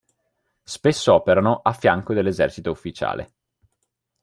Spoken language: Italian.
Spesso operano a fianco dell'esercito ufficiale.